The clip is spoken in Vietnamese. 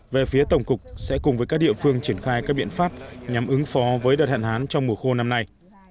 về phía tổng cục sẽ cùng với các địa phương triển khai các biện pháp nhằm ứng phó với đợt hạn hán trong mùa khô năm nay